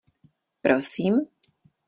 Prosím?